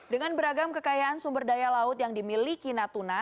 dengan beragam kekayaan sumber daya laut yang dimiliki natuna